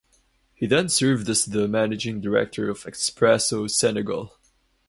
He then served as the managing director of Expresso Senegal.